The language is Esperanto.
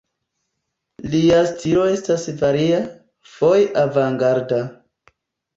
Lia stilo estas varia, foje avangarda.